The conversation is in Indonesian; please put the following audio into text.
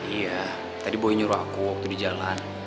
iya tadi boy nyuruh aku waktu di jalan